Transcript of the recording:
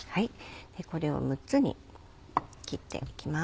これを６つに切っていきます。